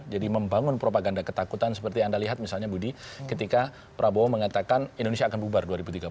jadi membangun propaganda ketakutan seperti anda lihat misalnya budi ketika prabowo mengatakan indonesia akan bubar dua ribu tiga puluh